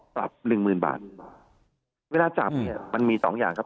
ปรับหนึ่งหมื่นบาทเวลาจับเนี่ยมันมีสองอย่างครับ